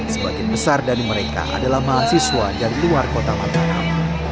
sebagian besar dari mereka adalah mahasiswa dari luar kota mataram